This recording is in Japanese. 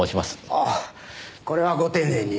ああこれはご丁寧に。